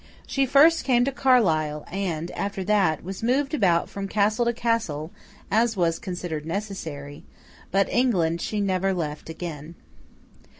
She first came to Carlisle, and, after that, was moved about from castle to castle, as was considered necessary; but England she never left again.